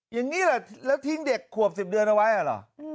อย่างนี้แหละแล้วทิ้งเด็กขวบ๑๐เดือนเอาไว้เหรอ